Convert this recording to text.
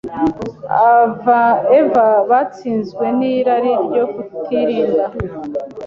Eva batsinzwe n’irari ryo kutirinda